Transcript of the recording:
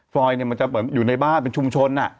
ฟรอยมันจะเหมือนอยู่ในบ้านเป็นชุมชน